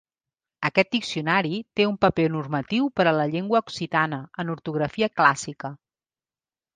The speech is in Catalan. Aquest diccionari té un paper normatiu per a la llengua occitana, en ortografia clàssica.